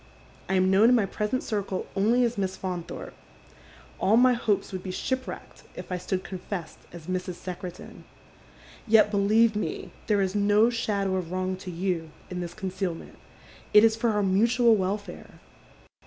I am known in my present circle only as Miss Faunthorpe. All my hopes would be ship wrecked if I stood confessed as Mrs. Secretan. Yet, beUeve me, there is no shadow of wrong to you in this concealment. It is for our mutual welfare.